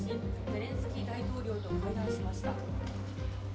ゼレンスキー大統領と会談しました。